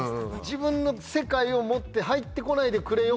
自分の世界を持って入ってこないでくれよ